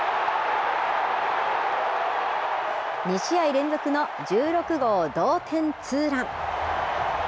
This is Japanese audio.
２試合連続の１６号同点ツーラン。